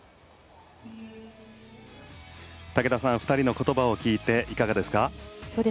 武田さん２人の言葉を聞いていかがですか。